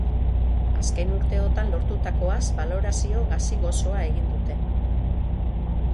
Azken urteotan lortutakoaz balorazio gazi-gozoa egin dute.